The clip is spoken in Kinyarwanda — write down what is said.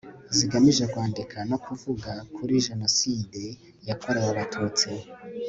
zigamije kwandika no kuvuga kuri jenoside yakorewe abatutsi